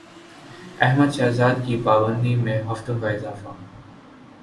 احمد شہزاد کی پابندی میں ہفتوں کا اضافہ